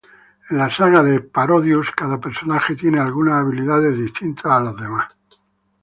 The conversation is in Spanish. En la saga de "Parodius", cada personaje tiene algunas habilidades distintas a los demás.